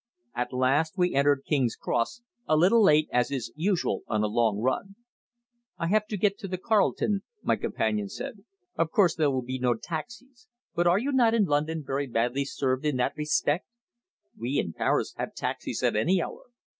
At last we entered King's Cross a little late, as is usual on a long run. "I have to get to the Carlton," my companion said. "Of course there will be no taxis. But are not you in London very badly served in that respect? We, in Paris, have taxis at any hour.